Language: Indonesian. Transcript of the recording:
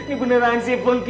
ini beneran sih funky